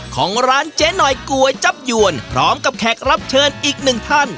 ของร้านเจ๊หน่อยก๋วยจับยวนพร้อมกับแขกรับเชิญอีกหนึ่งท่าน